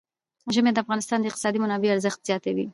ژمی د افغانستان د اقتصادي منابعو ارزښت زیاتوي.